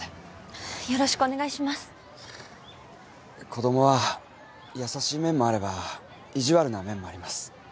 子供は優しい面もあれば意地悪な面もあります。